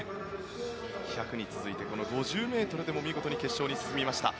１００に続いてこの５０ｍでも見事に決勝に進みました。